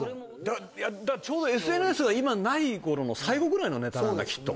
ちょうどＳＮＳがないころの最後くらいのネタなんだ。